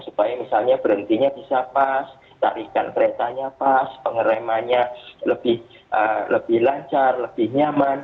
supaya misalnya berhentinya bisa pas tarikan keretanya pas pengeremannya lebih lancar lebih nyaman